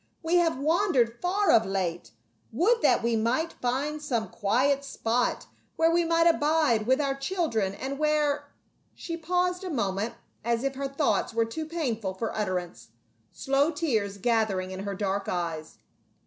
We have wandered far of late ; would that we might find some quiet spot where we might abide with our children, and where —" she paused a moment as if her thoughts were too painful for utterance, slow tears gathering in her dark eyes.